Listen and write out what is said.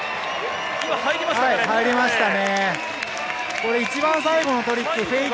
今、入りましたね。